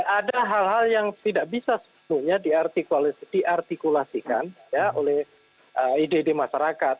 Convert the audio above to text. ada hal hal yang tidak bisa sepenuhnya diartikulasikan oleh ide ide masyarakat